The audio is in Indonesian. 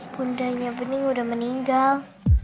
bundanya bening udah meninggal